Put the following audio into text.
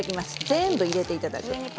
全部入れていただきます。